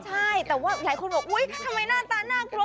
ใช่แต่ว่าหลายคนบอกอุ๊ยทำไมหน้าตาน่ากลัว